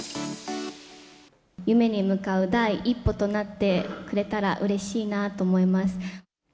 夢に向かう第一歩となってくれたらうれしいなと思います。